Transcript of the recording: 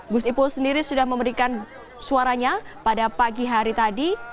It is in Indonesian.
gus ipul sendiri sudah memberikan suaranya pada pagi hari tadi